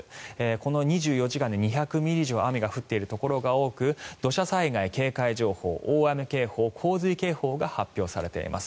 この２４時間で２００ミリ以上雨が降っているところが多く土砂災害警戒情報大雨警報、洪水警報が発表されています。